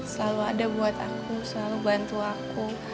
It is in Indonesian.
selalu ada buat aku selalu bantu aku